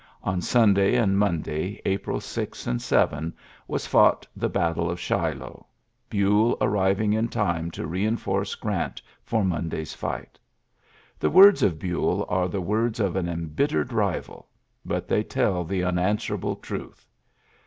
On Sunday and Monday, April 6 and 7, was fought the battle of Shiloh, Buell arriving in time to re enforce Grant for Monday's fight. The words of Buell are the words of an imbittered rival ; but they tell the unanswerable truth.